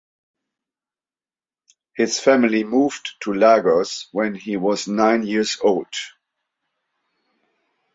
His family moved to Lagos when he was nine years old.